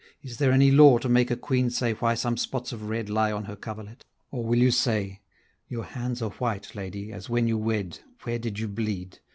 is there any law To make a queen say why some spots of red Lie on her coverlet? or will you say: Your hands are white, lady, as when you wed, Where did you bleed?